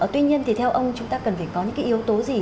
tuy nhiên thì theo ông chúng ta cần phải có những cái yếu tố gì